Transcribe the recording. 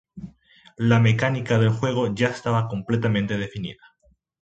La mecánica del juego ya estaba completamente definida.